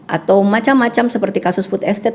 atau macam macam seperti kasus food estate